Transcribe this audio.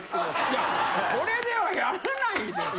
いやこれではやらないでしょ。